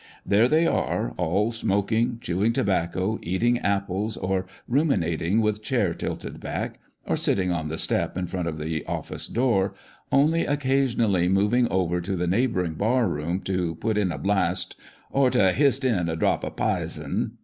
There they are, all smoking, chewing tobacco, eating apples, or ruminating with chair tilted back, or sitting on the step in front of the office door, only oc casionally moving over to the neighbouring bar room to " put in a blast," or " to hist in a drop o' pisiu."